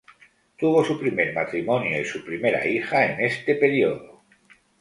Tuvo su primer matrimonio y su primera hija en este periodo.